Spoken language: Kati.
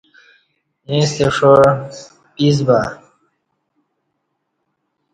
ییݩستہ ݜاع پیس با